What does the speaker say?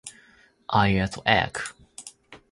I ate egg.